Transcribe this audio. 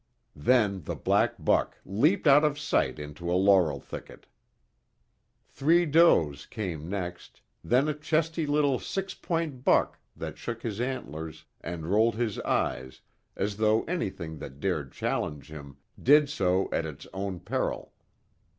Then the black buck leaped out of sight into a laurel thicket. Three does came next, then a chesty little six point buck that shook his antlers and rolled his eyes as though anything that dared challenge him did so at its own peril.